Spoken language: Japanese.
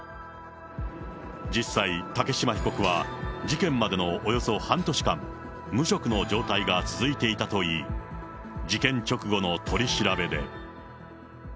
実際、竹島被告は事件までのおよそ半年間、無職の状態が続いていたといい、事件直後の取り調べで。